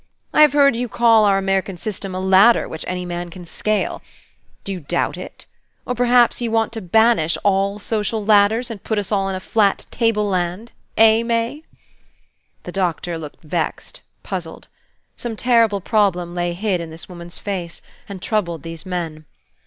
I have heard you call our American system a ladder which any man can scale. Do you doubt it? Or perhaps you want to banish all social ladders, and put us all on a flat table land, eh, May?" The Doctor looked vexed, puzzled. Some terrible problem lay hid in this woman's face, and troubled these men.